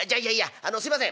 あのすいません。